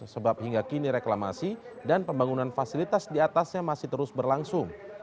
sebab hingga kini reklamasi dan pembangunan fasilitas diatasnya masih terus berlangsung